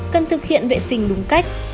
cần thực hiện vệ sinh đúng cách